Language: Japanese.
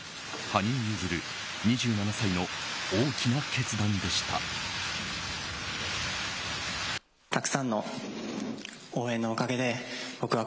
羽生結弦、２７歳の大きな決断でした。